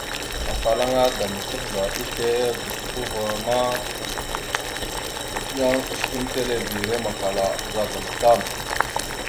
Afalaŋa Damsavda islé gosko ma yan osəkʉmətelebere makala a bəzagaam tam.